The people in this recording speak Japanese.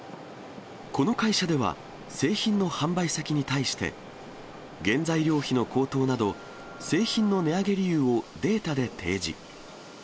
この会社では製品の販売先に対して、原材料費の高騰など、製品の値上げ理由をデータで提示。